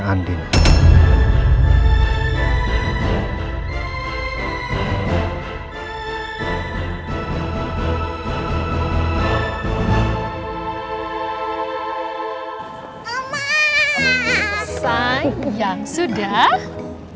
lalu aku bunuh khilaf nyokap